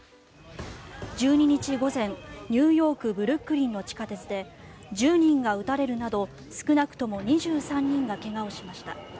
１２日午前、ニューヨーク・ブルックリンの地下鉄で１０人が撃たれるなど少なくとも２３人が怪我をしました。